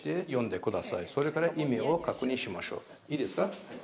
いいですか？